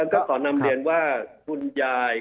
แล้วก็ขอนำเรียนว่าคุณยาย